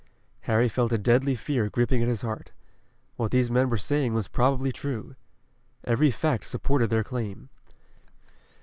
Harry felt a deadly fear gripping at his heart. What these men were saying was probably true. Every fact supported their claim.